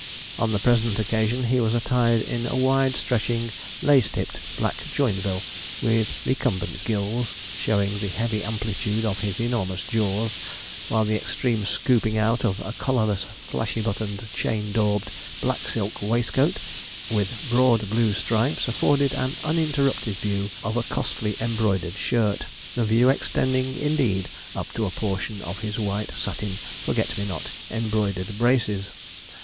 On the present occasion he was attired in a wide stretching, lace tipped, black Joinville, with recumbent gills, showing the heavy amplitude of his enormous jaws, while the extreme scooping out of a collarless, flashy buttoned, chain daubed, black silk waistcoat, with broad blue stripes, afforded an uninterrupted view of a costly embroidered shirt, the view extending, indeed, up to a portion of his white satin 'forget me not' embroidered braces.